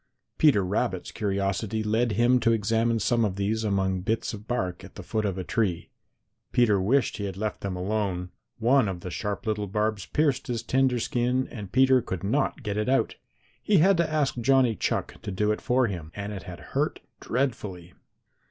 Peter Rabbit's curiosity led him to examine some of these among bits of bark at the foot of a tree. Peter wished that he had left them alone. One of the sharp little barbs pierced his tender skin and Peter could not get it out. He had to ask Johnny Chuck to do it for him, and it had hurt dreadfully.